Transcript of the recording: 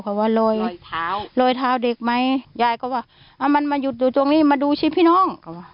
จะรวยทาวเด็กไหมมันมาอยู่ตรงนี้มาดูพี่น้อง